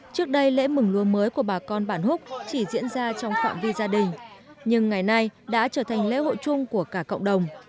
trước đây lễ mừng lúa mới của bà con bản húc chỉ diễn ra trong phạm vi gia đình nhưng ngày nay đã trở thành lễ hội chung của cả cộng đồng